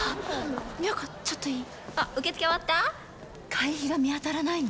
会費が見当たらないの。